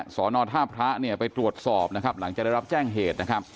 สอนอท่าพระไปตรวจสอบหลังจะได้รับแจ้งเหตุ